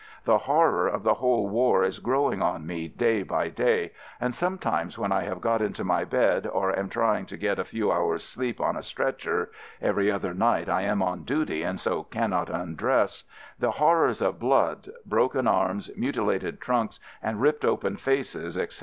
The horror of the whole war is growing on me day by day, and sometimes when I have got into my bed or am trying to get a few hours' sleep on a stretcher (every other night I am on duty and so cannot undress), the horrors of blood — broken arms, mutilated trunks, and ripped open faces, etc.